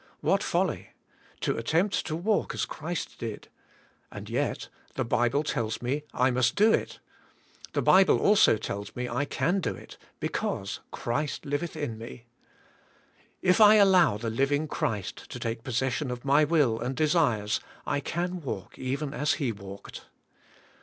What folly! To attempt to walk as Christ did. And yet, the Bible tells me I must do it. The Bible also tells me I can do it, because '' Christ liv eth in me." If I allow the living Christ to take possession of my will and desires, I can walk even as He walked.